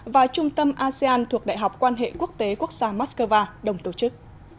và trung tâm asean thuộc đại học quan hệ quốc tế quốc gia moscow đồng tổ chức